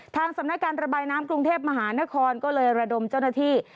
สำนักการระบายน้ำกรุงเทพมหานครก็เลยระดมเจ้าหน้าที่